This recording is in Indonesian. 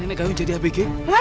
nenek gayung jadi apg